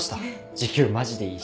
時給マジでいいし。